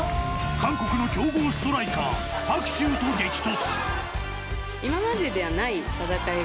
韓国の強豪ストライカーパク・シウと激突。